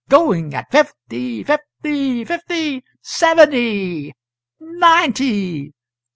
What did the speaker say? going at fifty, fifty, fifty! seventy! ninety!